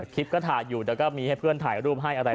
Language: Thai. คลิปก็ถ่ายอยู่เดี๋ยวก็มีให้เพื่อนถ่ายรูปให้อะไร